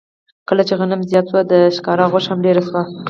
کله چې غنم زیات شو، د ښکار غوښه هم ډېره شوه.